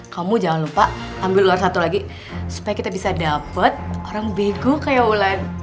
kamu jangan lupa ambil ular satu lagi supaya kita bisa dapat orang bego kayak ular